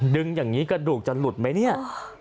ดึงอย่างนี้กระดูกจะหลุดไหมเนี่ย